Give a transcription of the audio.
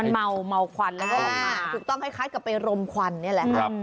เมาควันแล้วก็ออกมาถูกต้องคล้ายกับไปรมควันนี่แหละครับ